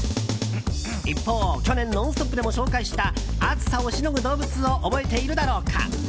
一方、去年「ノンストップ！」でも紹介した暑さをしのぐ動物を覚えているだろうか。